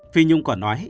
phi nhung còn nói